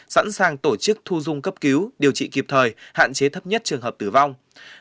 sẵn sàng tổ chức thu dung cấp cứu điều trị kịp thời hạn chế thấp nhất trường hợp tử vong